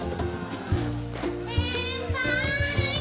先輩。